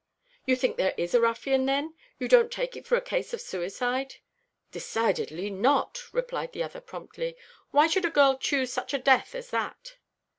"You think there is a ruffian, then? You don't take it for a case of suicide?" "Decidedly not," replied the other promptly. "Why should a girl choose such a death as that?"